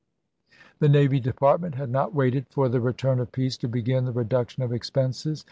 The Navy Department had not waited for the return of peace to begin the reduction of expenses.